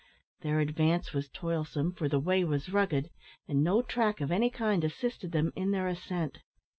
Their advance was toilsome, for the way was rugged, and no track of any kind assisted them in their ascent.